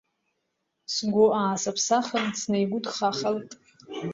Сгәы аасыԥсахын снаигәдхахалт.